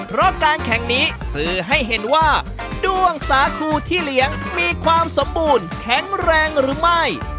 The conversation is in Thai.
เพราะการแข่งนี้สื่อให้เห็นว่าด้วงสาคูที่เลี้ยงมีความสมบูรณ์แข็งแรงหรือไม่